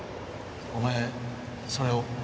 お前それを？